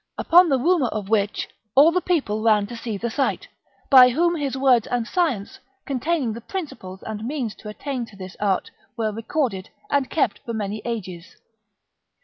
Upon the rumour of which, all the people ran to see the sight, by whom his words and science, containing the principles and means to attain to this art, were recorded, and kept for many ages.